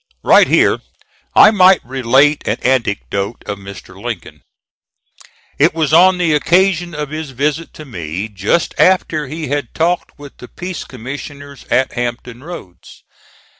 Right here I might relate an anecdote of Mr. Lincoln. It was on the occasion of his visit to me just after he had talked with the peace commissioners at Hampton Roads.